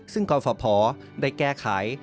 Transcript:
ซึ่งกรฟภได้แก้ไข